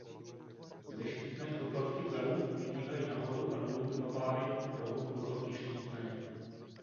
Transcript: Ze štítné chrupavky vzadu vybíhají nahoru a dolů dva páry „rohů chrupavky štítné“.